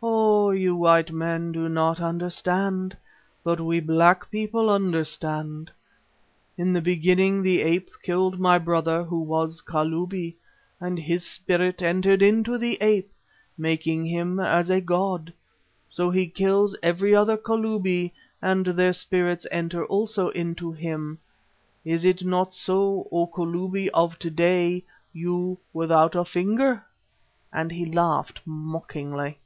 "Oh! you white men do not understand, but we black people understand. In the beginning the ape killed my brother who was Kalubi, and his spirit entered into the ape, making him as a god, and so he kills every other Kalubi and their spirits enter also into him. Is it not so, O Kalubi of to day, you without a finger?" and he laughed mockingly.